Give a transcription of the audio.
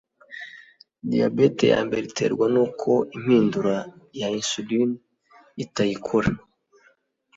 Diyabete ya mbere iterwa nuko impindura ya insulin itayikora